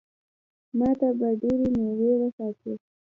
ما ته به ډېرې مېوې وساتي.